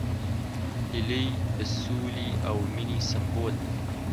هیلۍ د سولې او مینې سمبول ده